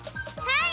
はい！